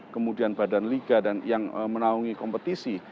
kemudian badan liga dan yang menaungi kompetisi